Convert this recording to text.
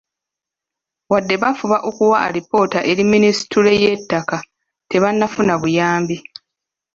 Wadde bafuba okuwa alipoota eri minisitule y'Ebyettaka, tebafuna buyambi.